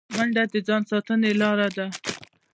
منډه د ځان ساتنې لاره ده